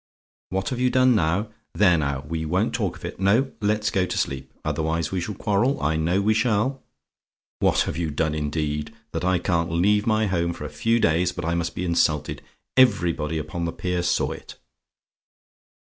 "WHAT HAVE YOU DONE NOW? "There, now; we won't talk of it. No; let's go to sleep: otherwise we shall quarrel I know we shall. What have you done, indeed! That I can't leave my home for a few days, but I must be insulted! Everybody upon the pier saw it.